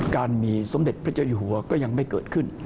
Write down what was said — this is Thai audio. การมีสมเด็จพระเจ้าอยู่หัวก็ยังไม่เกิดขึ้น